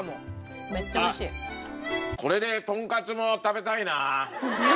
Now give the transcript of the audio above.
あっこれでとんかつも食べたいな。